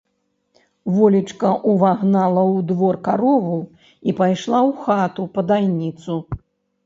Волечка ўвагнала ў двор карову і пайшла ў хату па дайніцу.